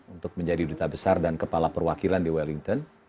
untuk menjadi duta besar dan kepala perwakilan di wellington